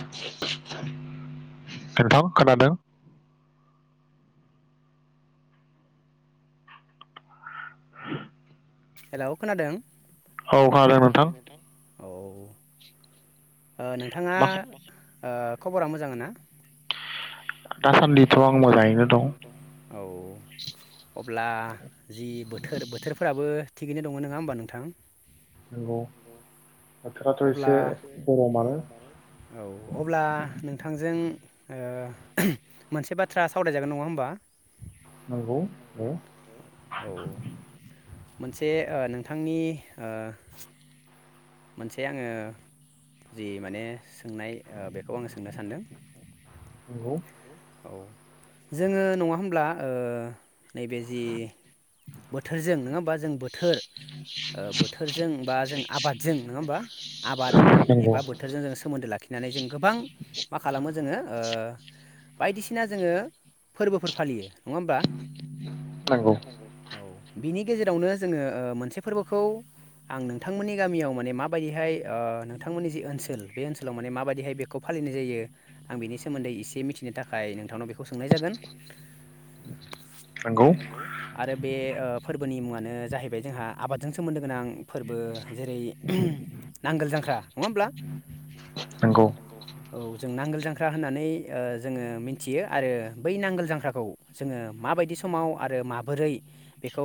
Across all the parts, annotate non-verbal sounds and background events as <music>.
नोंथां खोनादों? हेलौ खोनादों? औ खोनादो नोंथां। औ। ओ नोंथाङा ओ खबरा मोजां ना? दासान्दिथ' आं मोजाङैनो दं। औ अब्ला जि बोथोर बोथोरफोराबो थिगैनो दङ नङा होमबा नोंथां? नंगौ। अब्ला औ अब्ला नोंथांजों ओ मोनसे बाथ्रा सावरायजागोन नङा होमबा? नंगौ औ मोनसे ओ नोंथांनि ओ मोनसे आङो जि माने सोंनाय ओ बे खौ आङो सोंनो सानदों औ। जोङो नङा होमब्ला ओ नैबे जि बोथोरजों नोङा बा जों बोथोर बोथोरजों बा जों आबाद। जों नङा होमबा आबाद एबा बोथोरजों जों सोमोन्दो लाखिनानै जों गोबां मा खालामो जोङो ओ बायदिसिना जोङो फोरबोफोर फालियो नङा होमबा औ। बिनि गेजेरावनो जोङो ओ मोनसे फोरबोखौ आं नोंथांमोननि नोंथांमोननि गामियाव माबायदिहाय ओ नोंथांमोननि जि ओनसोल बे ओनसोलाव माने माबायदिहाय बेखौ फालिनाय जायो आं बिनि सोमोन्दै एसे मिथिनो थाखाय नोंथांनाव बेखौ सोंनाय जागोन। नंगौ आरो बे ओ फोरबोनि मुङानो जाहैबाय जोंहा आबादजों सोमोन्दो गोनां फोरबो। जेरै नांगोल जांख्रा नङा होमब्ला? नंगौ औ। जों नांगोल जांख्रा होननानै ओ जोङो मिथियो आरो बै नांगोल जांख्राखौ जोङो माबायदि समाव आरो माबोरै बेखौ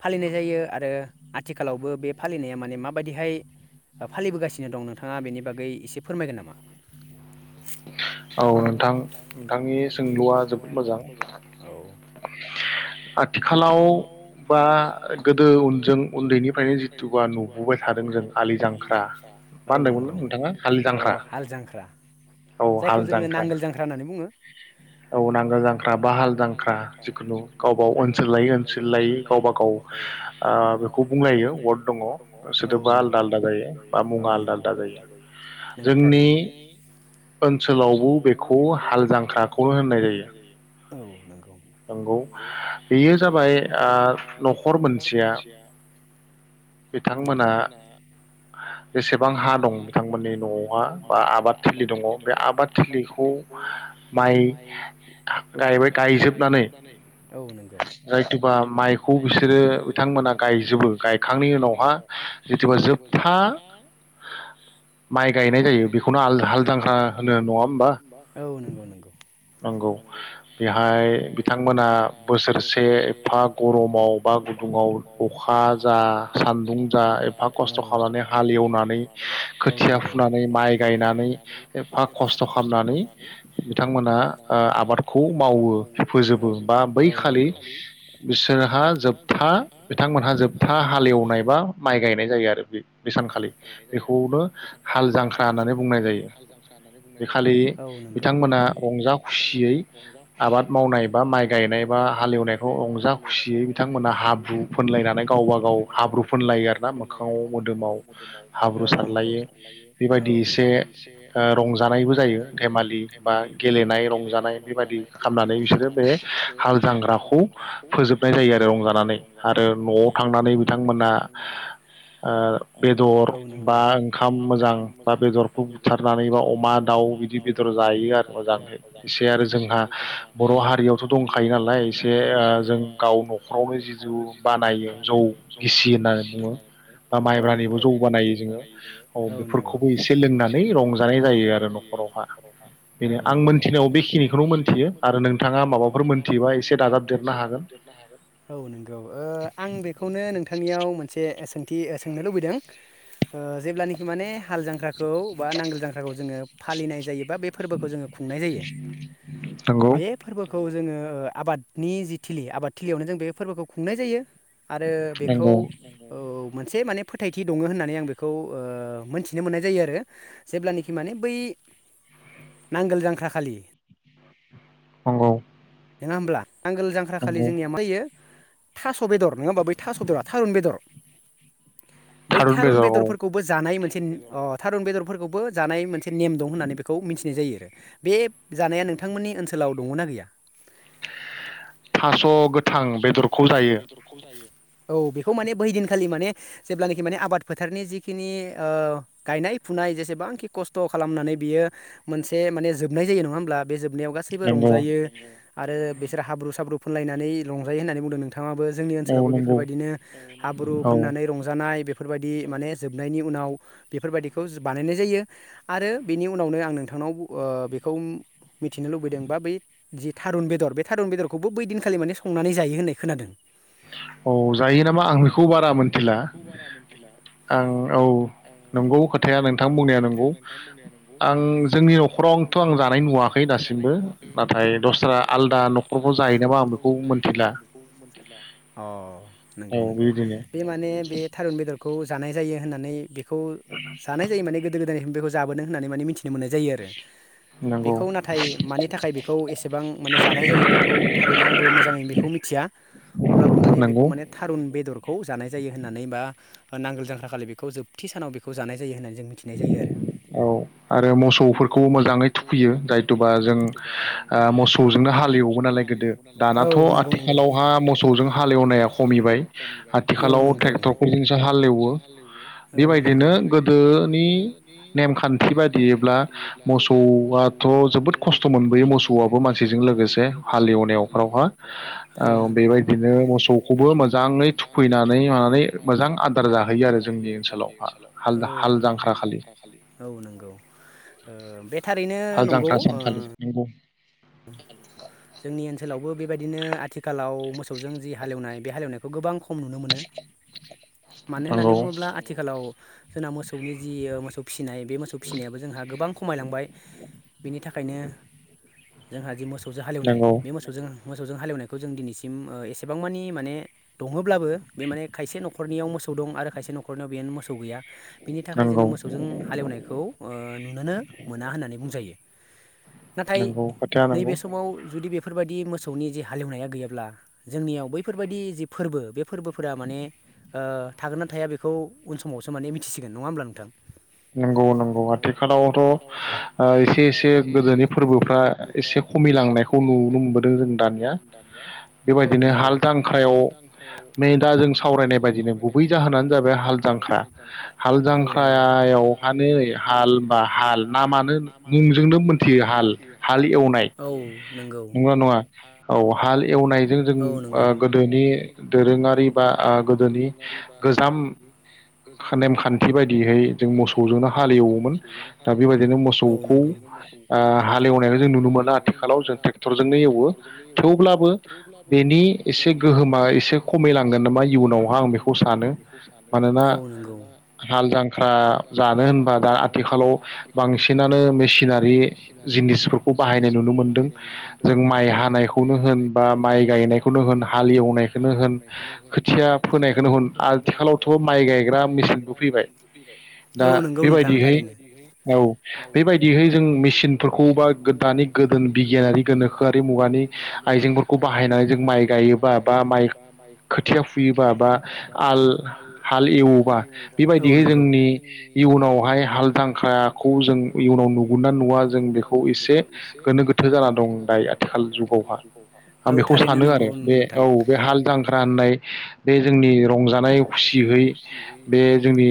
फालिनाय जायो आरो आथिखालावबो बे फालिनाया मा माने माबायदिहाय फालिबोगासिनो दं नोंथाङा बेनि बागै एसे फोरमायगोन नामा? औ नोंथां नोंथांनि सोंलुआ जोबोद मोजां औ। आथिखालाव बा गोदो उन जों उन्दैनिफ्रायनो जिथुुबा जिथुबा नुबोबाय थादों जों हालि जांख्रा औ नंगौ <unintelligible> हाल जांख्रा जायखौ जोङो नांगोल जांख्रा होननानै बुङो औ नांगोल जांख्रा बा हाल जांख्रा गावबाव ओनसोल लायै ओनसोल लायै गावबा गाव ओ बेखौ बुंलायो वार्ड दङ। औ नंगौ आदा आदा जायो। नंगौ थारैनो। जोंनि ओनसोलावबो बेखौ हाल जांख्राखौनो होननाय जायो। औ नंगौ। नंगौ बेयो जाबाय ओ न'खर मोनसेया बिथां बिथांमोना जेसेबां हा दं बिथांमोननि न'आवहा बा आबाद थिलि दङ बे आबाद थिलिखौ माइ गबाय औ गायजोब नंगौ। जायखबा माइखौ बिसोरो बिथांमोना गायजोबो गायखांनायनि उनाव जोबथा माइ गायनाय जायो बेखौनो हालजांख्रा होनो नङा होमबा? औ नंगौ। बेहाय बिथांमोना बोसोरसे एफा गरमाव बा गुदुङाव अखा जा सान्दुं जा एफा खस्थ' खालामनानै हाल एवनानै खोथिया फुनानै माइ गायनानै एफा खस्थ' खालामनानै बिथांमोना ओ आबादखौ मावो। होफोजोबो बा बैखालि बिसोरहा जोबथा बिथांमोनहा जोबथा हालेवनाय बा माइ गायनाय जायो आरो बे गायनायनाय जायो आरो बे सानखालि बेखौनो हाल जांख्रा होननानै बुंनाय जायो। औ नंगौ। बे खालि बिथांमोना रंजा खुसियै बा माइ गायनाय बा हालेवनायखौ रंजा खुसियै बिथांमोना हाब्रु फोनलायनानै गावबा गाव हाब्रु फोनलायो आरोना मोखाङाव मोखाङाव मोदोमाव हाब्रु सारलायो। औ बेबायदि एसे रंजानायबो जायो। देमालि बा गेलेनाय रंजानाय बेबायदि बिसोरो बे हाल जांग्राखौ फोजोबनाय जायो। आरो रंजानानै आरो न'आव थांनानै बिथांमोना बेदर बा ओंखाम मोजां बा बेदरखौ बुथारनानै बा अमा दाउ बिदि बेदर जायो आरो मोजाङैखाय एसे आरो जोंहा जोंहा बर' हारियावथ' दंखायो नालाय एसे ओ जों गाव न'खरावनो जौ बानायो जौ गिसि होनना बुङो। औ नंगौ। माइब्रानिबो जौ बानायो जोङो औ नंगौ बेफोरखौबो एसे लोंनानै रंजानाय जायो आरो न'खरावहा औ नंगौ आं मिथिनांगौ बेखिनिखौ आरो नोंथाङा माबाफोर मोनथियोबा एसे दाजाब देरनो हागोन। औ नंगौ ओ आं बेखौनो नोंथांनियाव मोनसे सोंथि सोंनो लुबैदों। जेब्लानाखि माने हाल जांख्राखौ बा नांगोल जांख्राखौ जोङो फालिनाय जायो बा बे फोरबोखौ जोङो खुंनाय जायो बे फोरबोखौ ओ जोङो आबादनि जि थिलि आबाद थिलियावनो जों बे फोरबोखौ खुंनाय जायो। आरो बेखौ औ एसे माने फोथायथि दङ होननानै आं बेखौ ओ मोनथिनो मोननाय जायो आरो। जेब्लानाखि माने बै नांगोल जांख्रााखलि नंगौ। नङा होमब्ला नांगोल जांख्रा खालि जोंनिया मा जायो थास' बेदर नङा होमबा बै थास'बेदरा थारुन बेदर बै थारुन बेदरफोरखौबो जानाय मोनसे थारुन बेदरफोरखौबो जानाय मोनसे नेम दं होननानै बेखौ मिथिनाय जायो आरो बे जानाया नोंथांमोननि ओनसोलाव दङना गैया थास' गोथां बेदरखौ जायो औ बेखौ माने बैदिनखालि माने जेब्लानाखि माने आबाद फोथारनि जिखिनि गायनाय फुनाय जेसेबांखि खस्थ' खालामनानै बियो मोनसे माने जोबनाय जायो नङा होमब्ला बे जोब नायाव गासैबो रंजायो आरो बिसोर हाब्रु साब्रु फुनलायनानै लंजायो होननानै बुंदों नों थाङाबो जोंनि ओनसोलावबो बेफोरबायदिनो हाब्रु फोननानै नाय बेफोरबायदि माने जोबनायनि उनाव बेफोरबायदिखौ बानायनाय जायो आरो बेनि उनावनो आं नोंथांनाव बेखौ मिथिनो लुबैदों बा बै जि थारुन बेदर बे थारुन बेदरखौबो बैदिनखालि माने संनानै जायो होननाय खोनादों औ जायो नामा आं बेखौ बारा मोनथि आं बेखौ बारा मोनथिला आं औ नंगौ खोथाया नोंथां बुंनाया नंगौ आं जोंनि न'खरावथ' आं जानाय नुवाखै नाथाय दस्रा आलदा न'खरखौ ज हैैनोामा आं बेखौ मिथिला अ नंगौ नंगौ बे मा ने बे थारुन बेदरखौ जानाय जायो होननानै बे खौ जानाय जायो माने गोदो गोदायनि बे जाबोदों होननानै मिथि नो मोननाय जायो आरो बेखौ नाथाय मानि थाखाय बेखौ एसेबां माने जानाय जायो बेखौ थारैनो आंबो मोजाङै बेखौ मिथिया अब्लाबो माने बेखौ माने थारुन बेदरखौ जानाय होननानै बा नांगोल जांखााखलि बेखौ जोबथि सानाव बेखौ जानाय जायो होननानै औ आरो मोसौफोरखौ मोजाङै थुखैयो जायथुबा जों मोसौजोंनो हालेवबो नालाय गोदो दानाथ' आथिखालावहा मोसौजों हालेवनाया खमिबाय आथि औ नंगौे टेक्टरजोंसो हालेवो औ नंगौ बेबायदिनो नेम खान्थि बाददियैब्ला मोसौआथ' जोबोद खस्थ' मोनबोयो मोसौआबो मानसिजों लोगोसे हालेवनायावफोरावहा बेबायदिनो मोसौखौबो मोजाङै थुखैनानै नै मानानै मोजां आदार जाहैयो आरो जोंनि ओनसोलाव हाल हालजां औ नंगौ बे थारैनो नंगौ जोंनि ओनसोलावबो बेबायदिनो आथ थिखालाव मोसौजों जि हालेवनाय बे हालेवनायखौ गोबां खम नुनो मोनो मानो होननानै बुङोब्ला आथिखालाव जोंना मोसौनि जि मोसौ फिसिनाय बे मोसौ फिसिनायाबो जोंहा गोबां खमायलांबाय बिनि थाखायनो जोंहादि मोसौ मोसौजों हालेवनाय बे मोसौजों मोसौजों हालेवनायखौ जों दिनैसिम ओ एसेबां मानि माने दङोलाबो बे माने खायसे न'खरनियाव मोसौ दं आरो खायसे न'खरनियाव बेनो मोसौ गैया। बिनि थाखाय जोङो मोसौजों हालेवनायखौ ओ नुुनोनो मोना होननानै बुंजायो। नोंगौ नैबे समाव जुदि बेफोरबादि मोसौनि जि हालेवनाया गैयाब्ला जोंनियाव बैफोरबायदि जि फोरबो बे फोरबोफोरा माने ओ थागोन ना थाया बेखौ उन समावसो माने मिथिसिगोन नङा होमब्ला नोंथां? नंगौ नंगौ आथिखालावथ' ओ एसे एसे गोदोनि फोरबोफ्रा दा एसे खमिलांनायखौ नुनो मोनबोदों जों दानिया, बेनो हालदांख्रायाव नै दा जों सावरायनाय बायदि गुबै जाहोनानो जाबाय हालजांख्रा। याव हाल हानै बा हाल नामानो मुंजोंनो मोनथि हाल हाल एवनाय नंगौ ना नङा औ हाल एवनायजों जों ओ गोदोनि दोरोङारि बा ओ गोदोनि गोजाम नेमखान्थि बायदियहै मोसौजोंनो हालेवोमोन दा बेबायदिनो मोसौखौ ओ हालेवनाय नुनो मोना आथिखालाव जों टेक्टरजोंनो एवो थेवब्लाबो बेनि एसे गोहोमा एसे खमायलांगोन नामा इयुनावहा आं बेखौ सानो मानोना हाल जां आ जानो होनबा दा आथिखालाव बांसिनानो मेसिनारि जिनिस खौ बाहायनाय नुनो मोनदों जों माइ हानायखौनो होन बा माइ गायनायखौनो होन हालेवनायखौनो होन खोथिया फोनायखौनो होन आथिखालावथ' माइ गायग्रा मेसिनबो फैबाय। दा बेबायदिहै औ बेबायदिहै जों मेसिनफोरखौ बा दानि गोदो बिगियानारि गोनोखोआरि मुगानि आइजेंफोरखौ बाहायनानै जों माइ गायोबा बा माइ खोथिया फुयोबा बा आल हाल एवोबा बेबायदि बेहाय जोंनि इयुनावहाय हालजांख्राखौ जों इयुनाव नुगोनना नुवा जों बेखौ एसे गोनो गोथो जाना दं दायो आथिखाल जुगावहा आं बेखौ सानो आरो बे औ बे हाल जांख्रा होननाय बे जोंनि रंजानाय खुसियै बे औ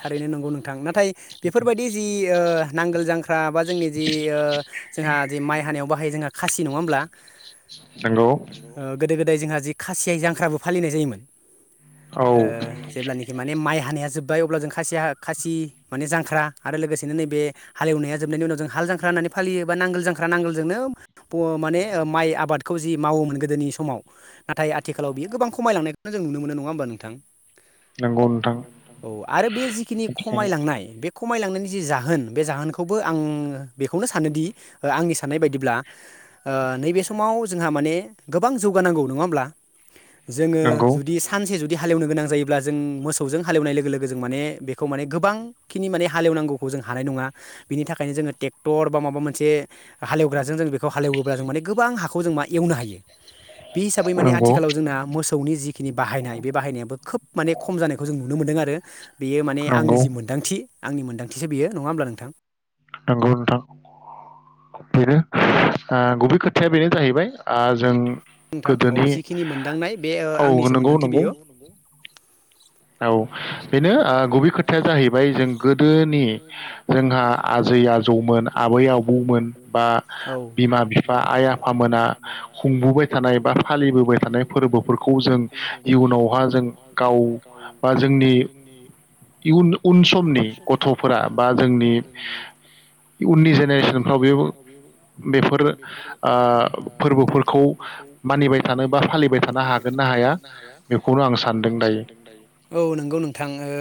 थारैनो नंगौ नोंथां नाथ बेफोरबायदि जि ओ नांगोल जां फ्राबा जोंनि जि ओ जोंहा जि माइ हानायाव बाहायो जोंहा खासि नङा होमब्ला गोदो गोदाय जोंहा जि खासियै जांख्राबो फालिनाय जायोमोन। ओ जेब्लानाखि माने माइ हानाया जोब्बाय अब्ला जों खासिया खासि माने जांख्रा आरो लोगोसेनो नैबे हालेवनाया जोबनायनि उनाव जों हाल जांख्रा होननानै फालियो बा नांगोल जांख्रा नांगोलजोंनो ब माने माइ आबादखौ जि मावोमोन गोदोनि समाव नाथाय आथिखालाव बियो गोबां खमायलांनायखौ जों नुनो मोनो नङा होमबा नोंथां, नंगौ आरो बे जिखिनि खमायलांनाय बे, खमायलांनायनि जि जाहोन बे जाहोनखौबो आं बेखौनो सानोदि आंनि साननाय बायदिब्ला, ओ नैबे समाव जोंहा माने गोबां जौगानांगौ नङा होमब्ला जोङो जुदि सानसे जुदि हालेवनो गोनां जायोब्ला जों मोसौजों हालेवनाय लोगो लोगो जों माने बेखौ माने गोबांखिनि माने हालेवनांगौखौ जों हानाय नङा बिनि थाखायनो जोङो ट्रेक्टर बा माबा मोनसे, हालेवग्राजों बे हालेवोब्ला जों माने गोबां हाखौ जों मा एवनो हायो बे हिसाबै माने आथिखालाव जोंना मोसौनि जिखिनि बाहायनाय बे बाहायनायाबो खोब माने खम जानायखौ जों नुनो मोन्दों आरो बेयो माने आंनि जि मोन्दांथि, आंनि मोनदांथिसो बेयो नङा होमब्ला नोंथां, नंगौ नोंथां बेनो ओ गुबै खोथाया बेनो जाहैबाय जों, नोंथां औ जिखिनि मोनदांनाय बे आंनिसो मोनदांथि बेयो, औ बेनो ओ गुबै खोथाया जाहैबाय जों गोदोनि जोंहा आजै आजौमोन आबै आबौमोन बा बिमा बिफा आइ आफामोना खुंबोबाय थानाय बा फालिबोबाय थानाय फोरबोफोरखौ जों इयुनावहा जों गाव बा जोंनि इयुन उन समनि गथ'फोरा बा जोंनि इयुननि जेनेरेसनफ्राव बे बेफोर ओ फोरबोफोरखौ मानिबाय थानो बा फालिबाय थानो हागोन ना हाया बेखौनो आं सानदों दायो। औ नंगौ नोंथां ओ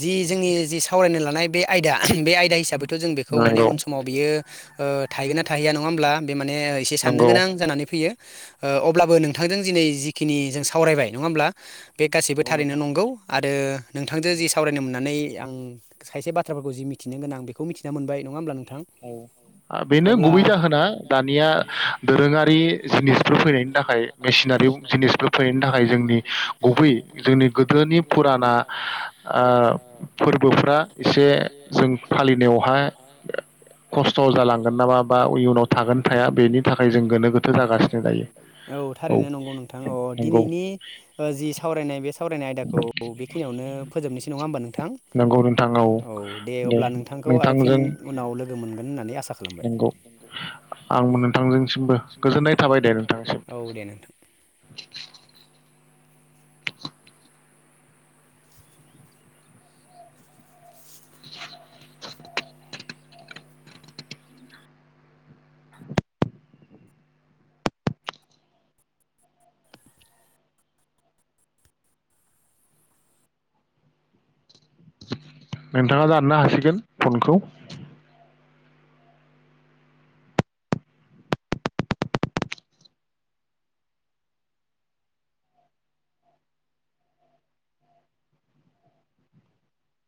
जि जोंनि जि सावरायनो लानाय बे आयदा बे आयदा हिसाबैथ' जों बेखौ माने उन समाव बियो ओ थाहैगोन ना थाहैया नङा होमब्ला बे माने एसे साननो गोनां जानानै फैयो। ओ अब्लाबो नोंथांजों दिनै जिखिनि जों सावरायबाय नङा होमब्ला, बे गासैबो थारैनो नं आरो नोंथांजों जि सावरायनो मोन्नानै आं खायसे बाथ्राफोरखौ जि मिथिनो गोनांं बेखौ मिथिना मोनबाय नङा होमब्ला नों औ बेनो गुबै जाहोना दानिया दोरोङारि जिनिसफोर फैनायनि थाखाय मेसिनारि जिनिसफोर फैनायनि थाखाय जोंनि गुबै जोंनि गोदोनि, फुराना ओ फोर्बोफ्रा एसे जों फालिनायावहा <unintelligible> औ थारैनो नंगौ नोंथां अ दिनैनि जि सावरायनाय बे सावरायनाय आयदा औ बेखिनियावनो फोजोबनोसै नङा होमबा नोंथां? औ दे अब्ला नोंथांखौ आरो फिन उनाव लोगो मोनगोन होननानै आसा सा खालामबाय। <unintelligible> औ नोंथां। नोंथाङा दाननो हासिगोन फनखौ।